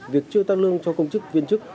việc chưa tăng lương cho công chức viên chức